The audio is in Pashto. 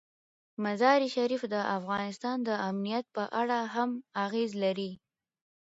مزارشریف د افغانستان د امنیت په اړه هم اغېز لري.